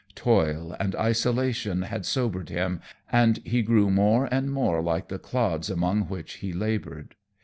Toil and isolation had sobered him, and he grew more and more like the clods among which he labored.